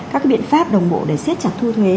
các cái biện pháp đồng bộ để xếp chặt thu thuế